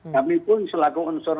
namipun selaku unsur